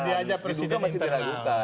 jadi aja presiden internal